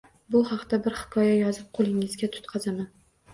Bu haqda bir hikoya yozib qo‘lingizga tutqazaman.